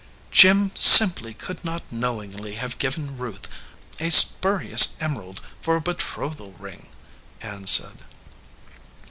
"Jim simply could not knowingly have given Ruth a spurious emerald for a betrothal ring," Ann said.